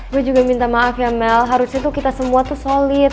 gue juga minta maaf ya mel harusnya tuh kita semua tuh solid